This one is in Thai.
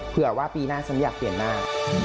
เผื่อว่าปีหน้าฉันอยากเปลี่ยนหน้า